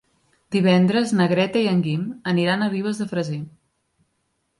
Divendres na Greta i en Guim aniran a Ribes de Freser.